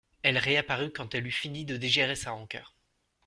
Elle réapparut quand elle eut fini de digérer sa rancœur.